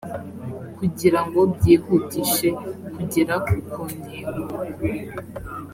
kugirango byihutishe kugera ku ku ntego